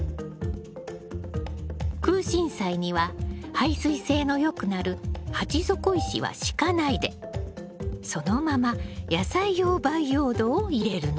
クウシンサイには排水性の良くなる鉢底石は敷かないでそのまま野菜用培養土を入れるの。